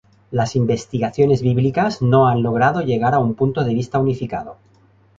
Las investigaciones bíblicas no han logrado llegar a un punto de vista unificado.